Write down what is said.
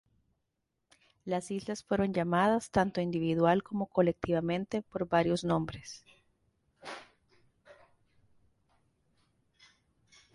Las islas fueron llamadas, tanto individual como colectivamente, por varios nombres.